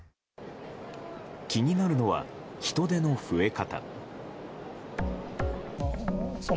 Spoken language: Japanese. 気になるのは人出の増え方。